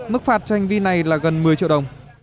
mức phạt cho hành vi này là gần một mươi triệu đồng